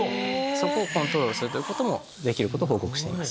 そこをコントロールすることもできること報告しておきます。